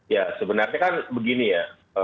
ya sebenarnya kan begini ya